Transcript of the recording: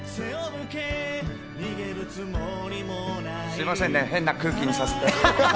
すみませんね、変な空気にさせて。